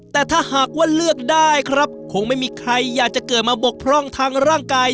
แต่ถ้าหากว่าเลือกได้ครับคงไม่มีใครอยากจะเกิดมาบกพร่องทางร่างกาย